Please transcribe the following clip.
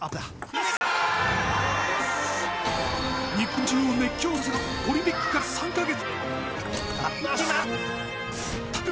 日本中を熱狂させたオリンピックから３か月。